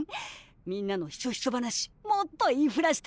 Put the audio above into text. みんなのひそひそ話もっと言いふらしてやろうっと。